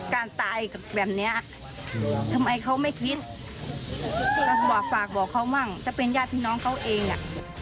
ก็หวักฝากบอกเขาบ้างจะเป็นญาติพี่น้องเขาเอง